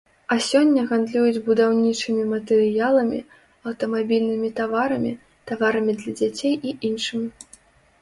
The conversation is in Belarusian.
А сёння гандлююць будаўнічымі матэрыяламі, аўтамабільнымі таварамі, таварамі для дзяцей і іншым.